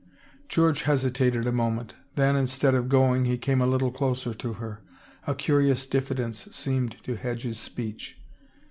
George hesitated a moment, then instead of going, he came a little closer to her ; a curious diffidence seemed to hedge his speech.